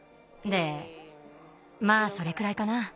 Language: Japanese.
でまあそれくらいかな。